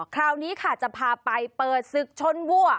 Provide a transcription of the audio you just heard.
คราวนี้ค่ะจะพาไปเปิดศึกชนวัว